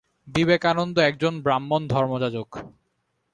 বিবে কানন্দ একজন ব্রাহ্মণ ধর্মযাজক।